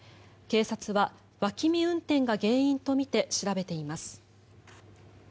警察は脇見運転が原因とみて調べています。